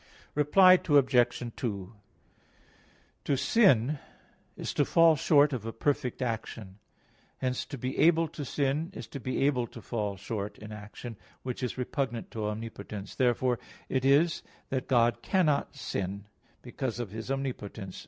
Reply Obj. 2: To sin is to fall short of a perfect action; hence to be able to sin is to be able to fall short in action, which is repugnant to omnipotence. Therefore it is that God cannot sin, because of His omnipotence.